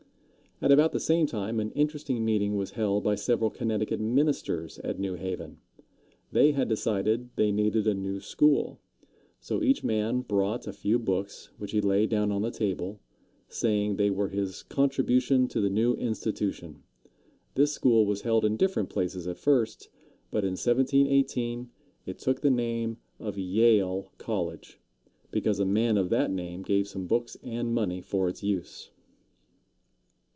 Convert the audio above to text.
At about the same time an interesting meeting was held by several Connecticut ministers at New Haven. They had decided they needed a new school, so each man brought a few books, which he laid down on the table, saying they were his contribution to the new institution. This school was held in different places at first, but in 1718 it took the name of Yale College, because a man of that name gave some books and money for its use.